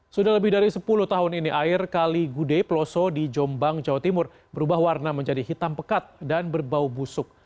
sudah lebih dari sepuluh tahun ini air kali gude peloso di jombang jawa timur berubah warna menjadi hitam pekat dan berbau busuk